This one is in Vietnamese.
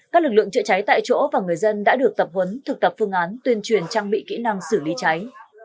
các lực lượng chữa cháy tại chỗ và người dân đã được tập huấn thực tập phương án tuyên truyền trang bị kỹ năng xử lý cháy